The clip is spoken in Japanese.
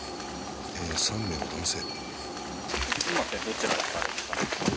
３名の男性。